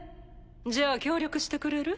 じゃあ協力してくれる？